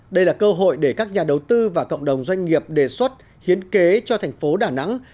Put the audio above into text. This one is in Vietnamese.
đây là cơ hội để các nhà đầu tư và cộng đồng doanh nghiệp đề xuất hiến kế cho thành phố đà nẵng